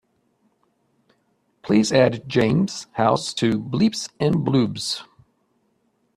Please add james house to bleeps & bloops